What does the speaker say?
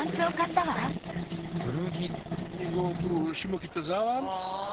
古着。